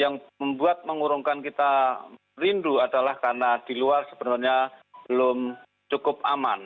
yang membuat mengurungkan kita rindu adalah karena di luar sebenarnya belum cukup aman